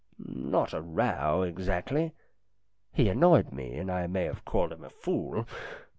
" Not a row exactly. He annoyed me, and I may have called him a fool.